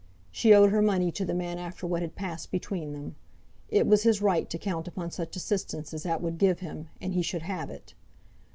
She owed her money to the man after what had passed between them. It was his right to count upon such assistance as that would give him, and he should have it.